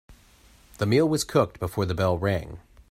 The meal was cooked before the bell rang.